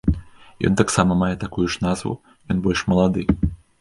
Ён таксама мае такую ж назву, ён больш малады.